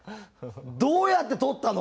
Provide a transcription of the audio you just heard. どうやって撮ったの？